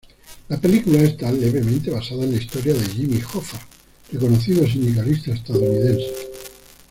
La película está levemente basada en la historia de Jimmy Hoffa, reconocido sindicalista estadounidense.